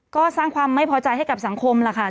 ก็สร้างความไม่พอใจให้กับสังคมล่ะค่ะ